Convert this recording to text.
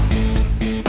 ya itu dia